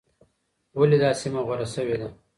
ولې دا سیمه غوره شوې ده؟